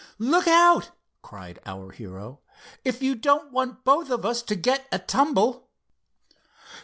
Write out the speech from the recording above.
"Look out!" cried our hero, "if you don't want both of us to get a tumble."